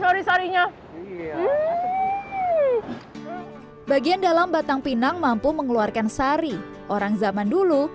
sari sarinya bagian dalam batang pinang mampu mengeluarkan sari orang zaman dulu